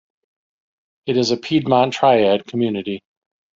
It is a Piedmont Triad community.